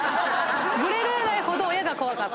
グレられないほど親が怖かった。